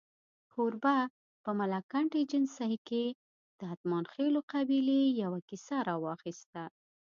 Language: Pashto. کوربه په ملکنډ ایجنسۍ کې د اتمانخېلو قبیلې یوه کیسه راواخسته.